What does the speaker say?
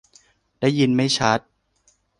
ได้ยินไม่ชัด !